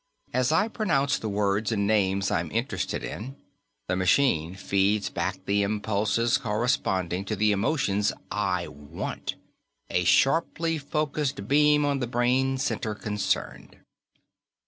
As I pronounce the words and names I'm interested in, the machine feeds back the impulses corresponding to the emotions I want: a sharply focused beam on the brain center concerned.